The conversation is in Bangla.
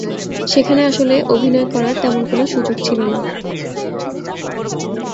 সেখানে আসলে অভিনয় করার তেমন কোনো সুযোগ ছিল না।